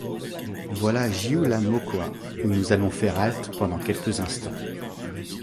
Voilà Jihoue-la-Mkoa, où nous allons faire halte pendant quelques instants.